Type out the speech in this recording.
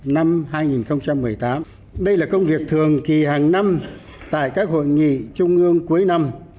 năm hai nghìn một mươi tám đây là công việc thường kỳ hàng năm tại các hội nghị trung ương cuối năm